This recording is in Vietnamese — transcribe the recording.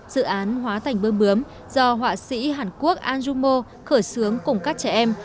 dự án hóa thành bướm bướm do họa sĩ hàn quốc andrew mo khởi xướng cùng các trẻ em